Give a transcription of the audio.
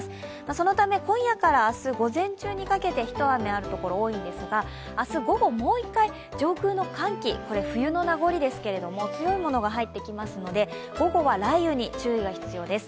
そのため、今夜から明日午前中にかけて一雨あるところ多いんですが明日午後もう１回上空の寒気、冬の名残ですけれども強いものが入ってきますので、午後は雷雨に注意が必要です。